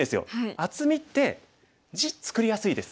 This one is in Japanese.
厚みって地作りやすいです。